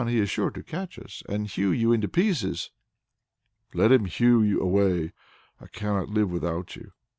He is sure to catch us and hew you in pieces." "Let him hew away! I cannot live without you."